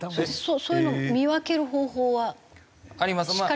そういうのを見分ける方法は？あります。